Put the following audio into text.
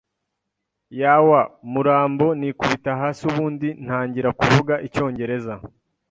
yawa murambo nikubita hasi ubundi ntangira kuvuga icyongereza